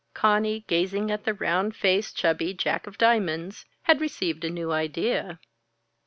Conny, gazing at the round faced, chubby Jack of Diamonds, had received a new idea.